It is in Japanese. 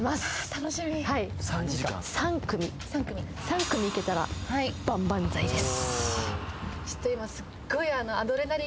楽しみはい３組３組いけたら万々歳です